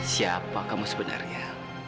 siapa kamu sebenarnya